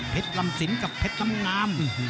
ลำสินกับเพชรน้ำงาม